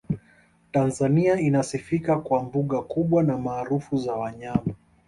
tanzania inasifika kwa mbuga kubwa na maarufu za wanyama